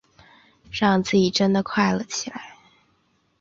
让自己真的快乐起来